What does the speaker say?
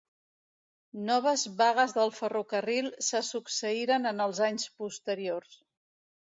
Noves vagues del ferrocarril se succeïren en els anys posteriors.